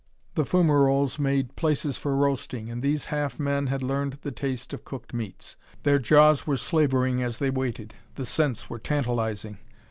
The fumaroles made places for roasting, and these half men had learned the taste of cooked meats. Their jaws were slavering as they waited. The scents were tantalizing.